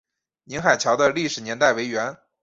宁海桥的历史年代为元。